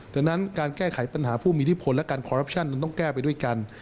ดังนั้นการแก้ไขปัญหาผู้มีอิทธิพลและการคอรัปชั่นมันต้องแก้ไปด้วยกัน